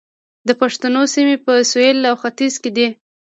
د پښتنو سیمې په سویل او ختیځ کې دي